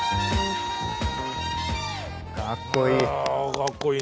かっこいい。